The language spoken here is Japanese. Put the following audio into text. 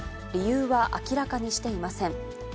理由は明らかにしていません。